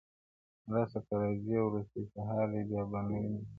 • راسه که راځې وروستی سهار دی بیا به نه وینو -